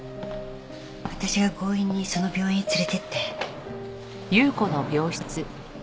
私が強引にその病院へ連れていって。